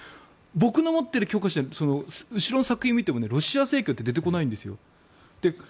僕の持っている教科書の後ろの索引を見てもロシア正教って出てこないんですよ。